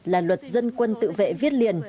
là luật dân quân tự vệ viết liền